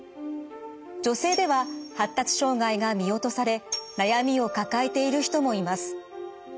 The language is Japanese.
女性では発達障害が見落とされ悩みを抱えている人もいます。